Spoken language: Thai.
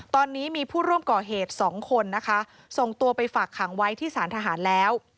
ตอนนี้มีผู้ร่วมก่อเหตุสองคนนะคะส่งตัวไปฝากขังไว้ที่สารทหารแล้ว